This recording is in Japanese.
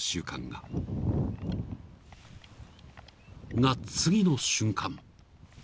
［が次の瞬間］